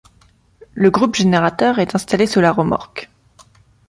Le groupe générateur est installé sous la remorque.